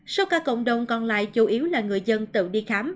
số ca cộng đồng còn lại chủ yếu là người dân tự đi khám